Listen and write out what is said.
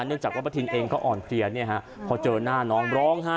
เนื่องจากว่าป้าถิ่นเองก็อ่อนเตียข์เนี้ยฮะพอเจอหน้าน้องร้องไห้